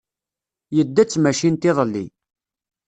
Yedda d tmacint iḍelli.